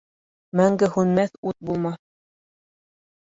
Мәңге һүнмәҫ ут булмаҫ.